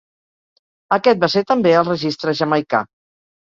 Aquest va ser també el registre jamaicà.